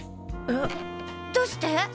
えっ？えどうして！？